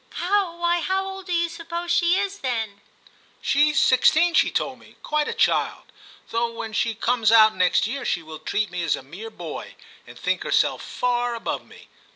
*Why, how old do you suppose she is, then ?'* She's sixteen, she told me — quite a child ; though when she comes out next year she will treat me as a mere boy, and think herself far above me.